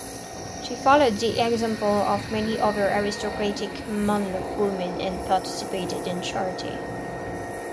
She followed the example of many other aristocratic Mamluk women and participated in charity.